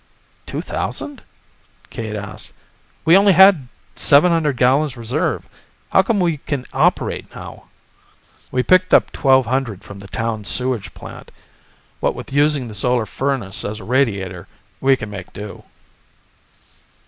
"Two thousand?" Cade asked. "We only had seven hundred gallons reserve. How come we can operate now?" "We picked up twelve hundred from the town sewage plant. What with using the solar furnace as a radiator, we can make do."